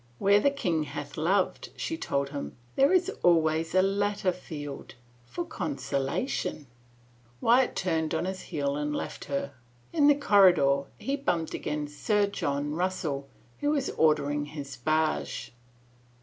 " Where the king hath loved," she told him, " there is always a later field — for consolation/' Wyatt turned on his heel and left her. In the corridor he bumped against Sir John Russell, who was ordering his barge.